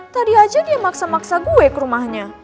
tadi aja dia maksa maksa gue ke rumahnya